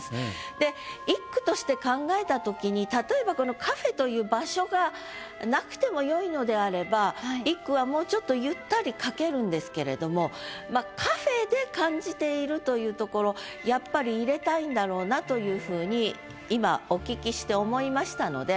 で一句として考えた時に例えばこのカフェという場所がなくてもよいのであれば一句はもうちょっとゆったり書けるんですけれどもまあカフェで感じているというところやっぱり入れたいんだろうなというふうに今お聞きして思いましたので。